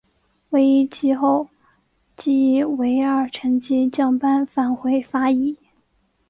惟一季后即以尾二成绩降班返回法乙。